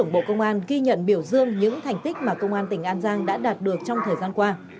bộ công an ghi nhận biểu dương những thành tích mà công an tỉnh an giang đã đạt được trong thời gian qua